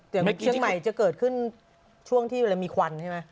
แต่เชียงใหม่จะเกิดขึ้นช่วงที่เวลามีควันใช่ไหม